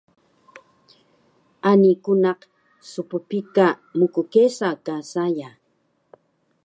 Ani ku naq sppika mkkesa ka saya